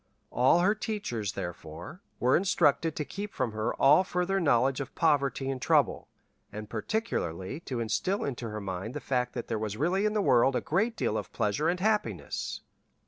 All her teachers, therefore, were instructed to keep from her all further knowledge of poverty and trouble; and particularly to instil into her mind the fact that there was really in the world a great deal of pleasure and happiness."